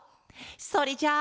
それじゃあ。